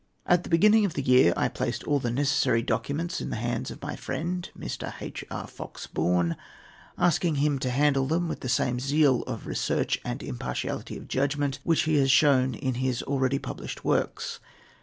At the beginning of last year I placed all the necessary documents in the hands of my friend, Mr. H.R. Fox Bourne, asking him to handle them with the same zeal of research and impartiality of judgment which he has shown in his already published works.